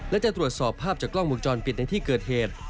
และจะตรวจสอบภาพจากกล้องมุมจรปิดในที่เกิดเหตุ